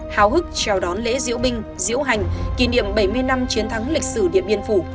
hào hức chào đón lễ diễu binh diễu hành kỷ niệm bảy mươi năm chiến thắng lịch sử điện biên phủ